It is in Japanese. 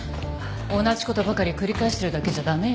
同じことばかり繰り返してるだけじゃ駄目よ。